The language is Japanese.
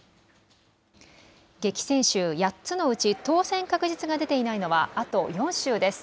激戦州８つのうち当選確実が出ていないのはあと４州です。